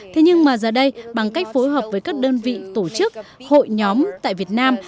thế nhưng mà giờ đây bằng cách phối hợp với các đơn vị tổ chức hội nhóm tại việt nam